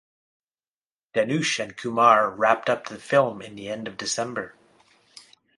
Dhanush and Kumar wrapped up the film in the end of December.